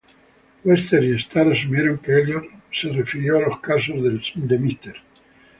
Webster y Starr asumieron que Eliot refirió los casos de Mr.